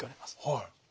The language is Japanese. はい。